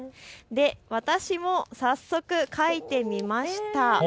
私も早速、描いてみました。